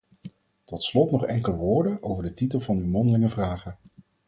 Tot slot nog enkele woorden over de titel van uw mondelinge vragen.